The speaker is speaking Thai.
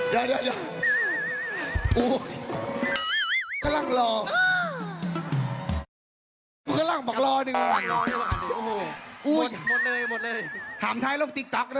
ฮั่งแข็ง